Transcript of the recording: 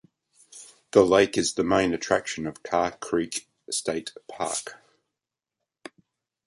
The lake is the main attraction of Carr Creek State Park.